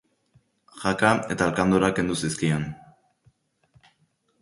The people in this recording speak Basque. Jaka eta alkandora kendu zizkion.